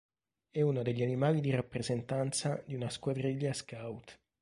È uno degli animali di rappresentanza di una squadriglia scout.